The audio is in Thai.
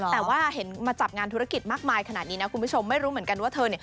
แต่ว่าเห็นมาจับงานธุรกิจมากมายขนาดนี้นะคุณผู้ชมไม่รู้เหมือนกันว่าเธอ